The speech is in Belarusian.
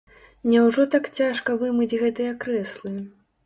Няўжо так цяжка вымыць гэтыя крэслы?